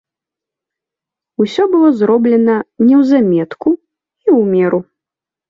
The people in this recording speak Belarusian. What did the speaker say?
Усё было зроблена неўзаметку і ў меру.